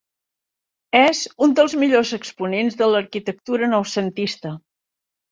És un dels millors exponents de l'arquitectura noucentista.